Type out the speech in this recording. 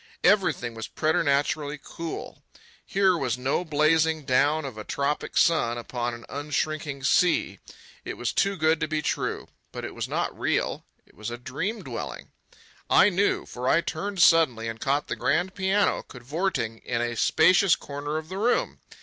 Everything was preternaturally cool. Here was no blazing down of a tropic sun upon an unshrinking sea. It was too good to be true. But it was not real. It was a dream dwelling. I knew, for I turned suddenly and caught the grand piano cavorting in a spacious corner of the room.